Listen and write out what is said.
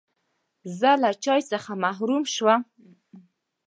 زه له چای څخه محروم شوم.